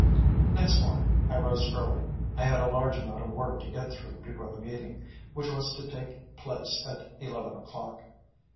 Next morning I rose early. I had a large amount of work to get through before the meeting, which was to take place at eleven o'clock.